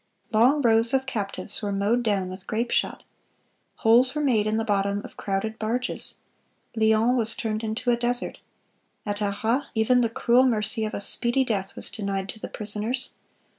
Long rows of captives were mowed down with grape shot. Holes were made in the bottom of crowded barges. Lyons was turned into a desert. At Arras even the cruel mercy of a speedy death was denied to the prisoners.